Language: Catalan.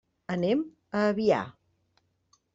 Anem a Avià.